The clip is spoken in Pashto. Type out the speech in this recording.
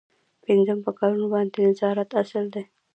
پنځم په کارونو باندې د نظارت اصل دی.